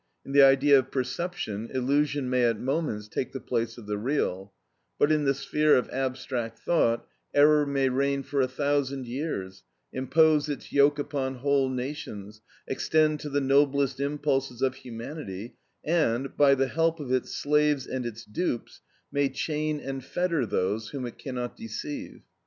In the idea of perception, illusion may at moments take the place of the real; but in the sphere of abstract thought, error may reign for a thousand years, impose its yoke upon whole nations, extend to the noblest impulses of humanity, and, by the help of its slaves and its dupes, may chain and fetter those whom it cannot deceive.